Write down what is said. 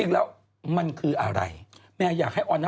เพราะวันนี้หล่อนแต่งกันได้ยังเป็นสวย